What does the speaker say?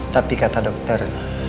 tapi kata dokter